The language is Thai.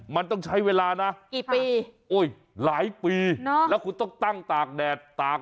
มันต้องใช้เวลานะกี่ปีโอ้ยหลายปีแล้วคุณต้องตั้งตากแดดตาก